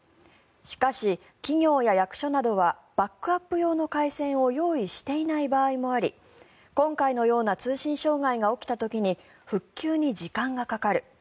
しかし、企業や役所などはバックアップ用の回線を用意していない場合もあり今回のような通信障害が起きた時に復旧に時間がかかる。